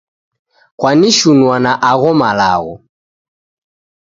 Kwanishunua na agho malagho